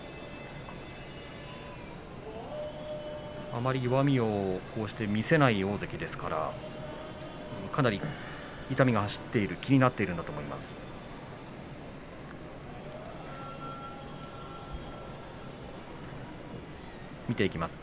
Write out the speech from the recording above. あまり弱みを見せない大関ですからかなり痛みが走っている気になっているんだと思います。